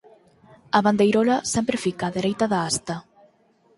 A bandeirola sempre fica á dereita da hasta.